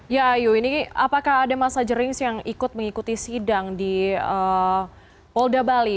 ya ayu ini apakah ada masa jerings yang ikut mengikuti sidang di polda bali